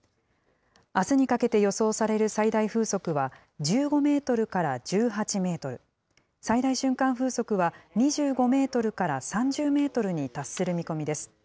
あすにかけて予想される最大風速は１５メートルから１８メートル、最大瞬間風速は２５メートルから３０メートルに達する見込みです。